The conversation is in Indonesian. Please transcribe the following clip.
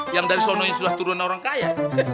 yang dari sono yang sudah turun orang kaya